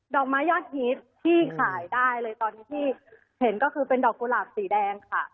อกไม้ยอดฮิตที่ขายได้เลยตอนนี้ที่เห็นก็คือเป็นดอกกุหลาบสีแดงค่ะ